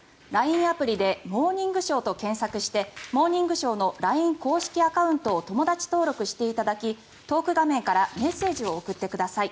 アプリで「モーニングショー」と検索をして「モーニングショー」のＬＩＮＥ公式アカウントを友だち登録していただきトーク画面からメッセージを送ってください。